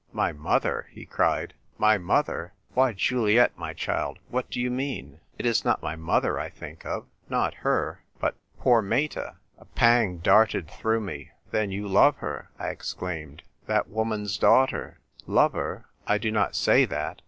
" My mother !" he cried. " My mother ! Why, Juliet, my child, what do you mean ? It is not my mother I think of — not her, but poor Meta !" A pang darted through me. " Then you love her !" I exclaimed ;" that woman's daughter !"" Love her ? I do not say that.